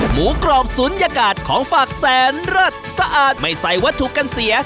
หมูกรอบศูนยากาศของฝากแสนเลิศสะอาดไม่ใส่วัตถุกันเสีย